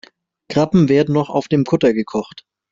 Krabben werden noch auf dem Kutter gekocht.